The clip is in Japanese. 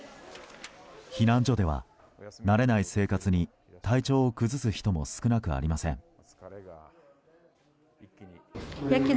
避難所では慣れない生活に体調を崩す人も少なくありません。